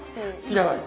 要らない。